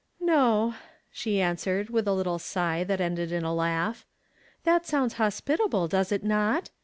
"No," she answered, with a little sigh that ended in a laugli. " That sounds hospitable, does it not?